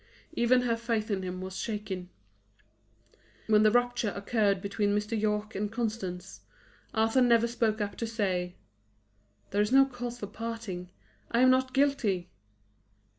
Even her faith in him was shaken. When the rupture occurred between Mr. Yorke and Constance, Arthur never spoke up to say: "There is no cause for parting; I am not guilty."